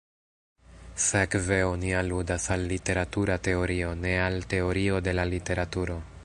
Sekve oni aludas al "literatura teorio", ne al "teorio de la literaturo".